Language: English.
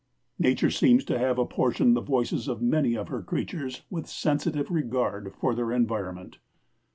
Nature seems to have apportioned the voices of many of her creatures with sensitive regard for their environment.